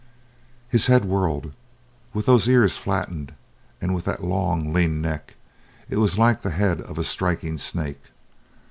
His head whirled. With those ears flattened, with that long, lean neck, it was like the head of a striking snake.